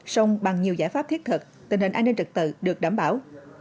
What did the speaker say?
sông bằng nhiều giải pháp thiết thực tình hình an ninh trật tự được đảm bảo